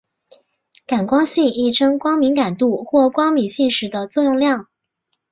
感光性亦称光敏感度或光敏性时的作用量。